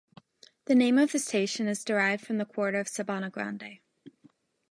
The name of the station is derived from the quarter of Sabana Grande.